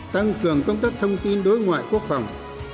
tăng cường công tác thông tin đối ngoại quốc phòng